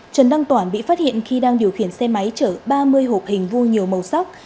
trần đăng toản bị phát hiện khi đang điều khiển xe máy chở ba mươi hộp hình vui nhiều màu sắc